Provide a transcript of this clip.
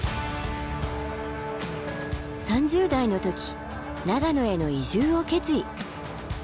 ３０代の時長野への移住を決意。